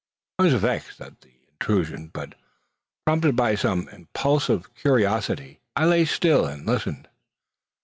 I was vexed at the intrusion; but prompted by some impulse of curiosity, I lay still and listened.